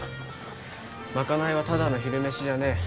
賄いはただの昼飯じゃねえ。